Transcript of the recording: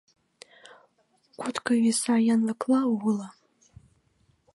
Кутко виса янлыкла уло